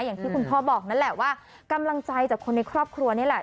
อย่างที่คุณพ่อบอกนั่นแหละว่ากำลังใจจากคนในครอบครัวนี่แหละ